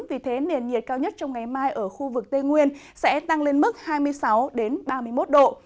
vì thế nền nhiệt cao nhất trong ngày mai ở khu vực tây nguyên sẽ tăng lên mức hai mươi sáu ba mươi một độ